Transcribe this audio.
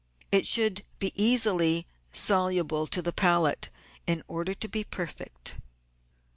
It should be easily soluble to the palate in order to be perfect.